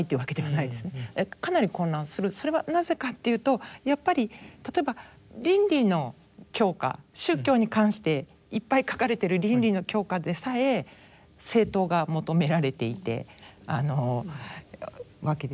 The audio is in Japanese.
それはなぜかというとやっぱり例えば倫理の教科宗教に関していっぱい書かれてる倫理の教科でさえ正答が求められていてわけですよね。